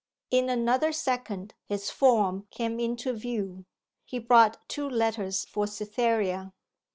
In another second his form came into view. He brought two letters for Cytherea.